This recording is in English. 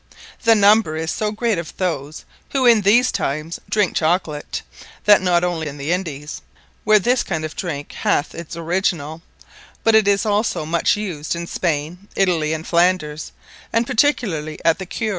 The number is so great of those, who, in these times, drinke Chocolate, that not only in the Indies, where this kind of Drink hath its originall; but it is also much used in Spain, Italy and Flanders, and particularly at the Cour.